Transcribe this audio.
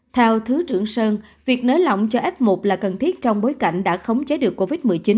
theo thứ trưởng sơn việc nới lỏng cho f một là cần thiết trong bối cảnh đã khống chế được covid một mươi chín